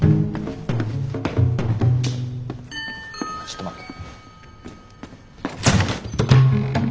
ちょっと待って。